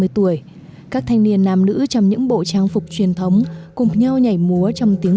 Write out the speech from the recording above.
ba mươi tuổi các thanh niên nam nữ trong những bộ trang phục truyền thống cùng nhau nhảy múa trong tiếng